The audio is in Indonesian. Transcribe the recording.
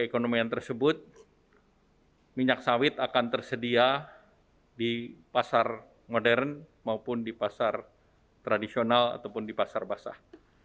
diekonomian tersebut minyak sawit akan tersedia di pasar modern maupun di pasar tradisional ataupun di pasar basah